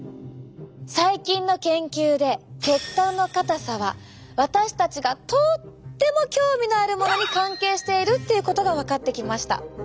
最近の研究で血管の硬さは私たちがとっても興味のあるものに関係しているっていうことが分かってきました。